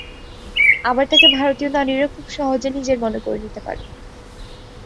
আবার তাঁকে ভারতীয় নারীরা খুব সহজে নিজের মনে করে নিতে পারেন।